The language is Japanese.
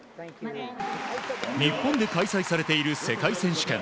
日本で開催されている世界選手権。